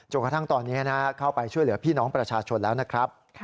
กระทั่งตอนนี้เข้าไปช่วยเหลือพี่น้องประชาชนแล้วนะครับ